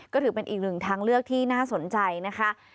ก็ถือเป็นอีกหนึ่งทางเลือกที่น่าสนใจนะคะ